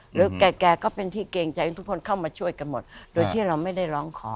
แก่แกก็เป็นที่เกรงใจให้ทุกคนเข้ามาช่วยกันหมดโดยที่เราไม่ได้ร้องขอ